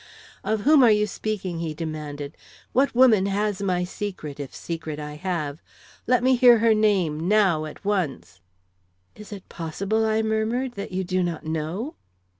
"Of whom are you speaking?" he demanded. "What woman has my secret if secret I have? Let me hear her name, now, at once." "Is it possible," I murmured, "that you do not know?"